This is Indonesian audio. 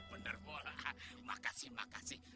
bener bol makasih makasih